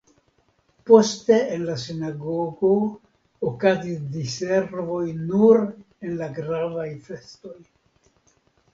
Poste en la sinagogo okazis diservoj nur en la gravaj festoj.